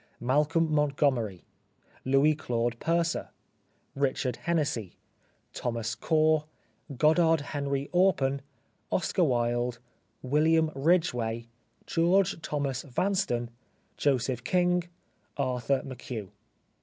Malcolm Montgomery. Louis Claude Purser. Richard Hennessy. Thomas Corr. Goddard Henry Orpen. Oscar Wilde. William Ridgeway. George Thomas Vanston. Joseph King. Arthur M'Hugh.